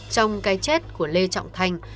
trong cái chết của lê trọng thành